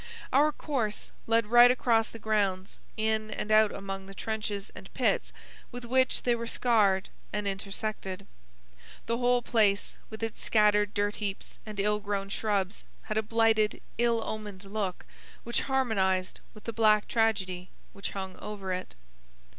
Our course led right across the grounds, in and out among the trenches and pits with which they were scarred and intersected. The whole place, with its scattered dirt heaps and ill grown shrubs, had a blighted, ill omened look which harmonized with the black tragedy which hung over it.